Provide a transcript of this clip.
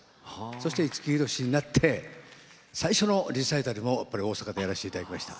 そして五木ひろしになって最初のリサイタルもやっぱり大阪でやらせて頂きました。